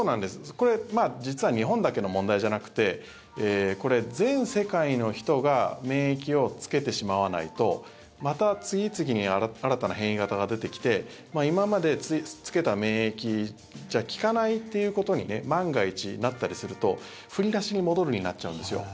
これは実は日本だけの問題じゃなくてこれ、全世界の人が免疫をつけてしまわないとまた次々に新たな変異型が出てきて今までつけた免疫じゃ効かないということに万が一なったりすると振り出しに戻るになっちゃうんですよ。